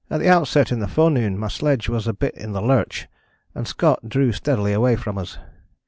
At the outset in the forenoon my sledge was a bit in the lurch, and Scott drew steadily away from us.